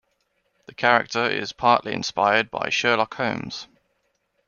The character is partly inspired by Sherlock Holmes.